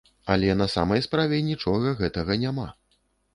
Але на самай справе нічога гэтага няма.